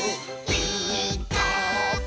「ピーカーブ！」